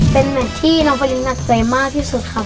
เป็นแมทที่น้องฟรินหนักใจมากที่สุดครับ